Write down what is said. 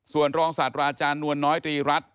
ส่วนรองศาสตราอาจารย์นวลน้อยตรีรัฐ